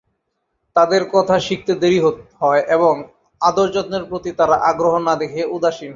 তাদের কথা শিখতে দেরি হয় এবং আদরযত্নের প্রতি তারা আগ্রহ না দেখিয়ে উদাসীন হয়।